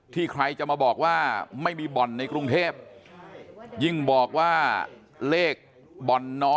ใครจะมาบอกว่าไม่มีบ่อนในกรุงเทพยิ่งบอกว่าเลขบ่อนนอ